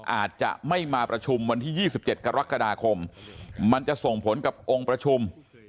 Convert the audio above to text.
อาจจะไม่มาประชุมวันที่๒๗กรกฎาคมมันจะส่งผลกับองค์ประชุม